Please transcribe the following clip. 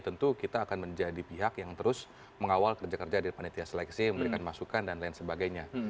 tentu kita akan menjadi pihak yang terus mengawal kerja kerja di panitia seleksi memberikan masukan dan lain sebagainya